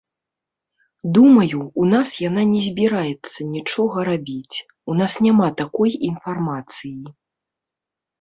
Думаю, у нас яна не збіраецца нічога рабіць, у нас няма такой інфармацыі.